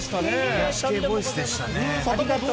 癒やし系ボイスでしたね。